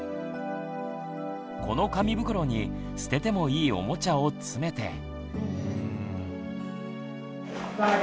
この紙袋に捨ててもいいおもちゃを詰めて。